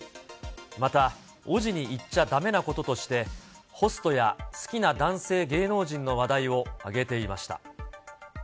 また、おぢに言っちゃだめなこととして、ホストや好きな男性芸能人の話題を挙げていました。